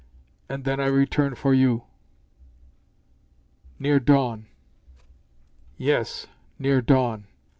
And then I return for you." "Near dawn." "Yes; near dawn.